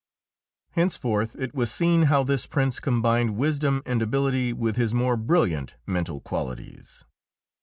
Henceforth it was seen how this Prince combined wisdom and ability with his more brilliant mental qualities.